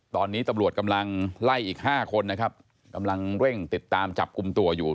ตอนนี้ตำรวจกำลังไล่อีกห้าคนนะครับกำลังเร่งติดตามจับกลุ่มตัวอยู่